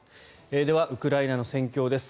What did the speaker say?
では、ウクライナの戦況です。